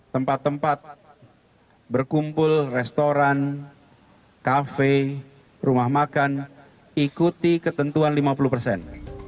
tempat tempat berkumpul restoran kafe rumah makan ikuti ketentuan lima puluh persen